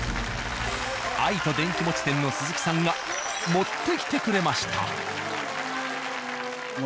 「あいと電氣餅店」の鈴木さんが持ってきてくれました。